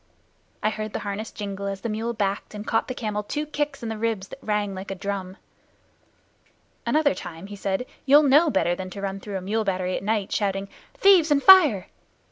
I heard the harness jingle as the mule backed and caught the camel two kicks in the ribs that rang like a drum. "Another time," he said, "you'll know better than to run through a mule battery at night, shouting `Thieves and fire!